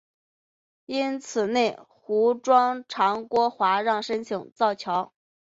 因此内湖庄长郭华让申请造桥。